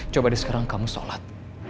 coba deh sekarang kamu sholat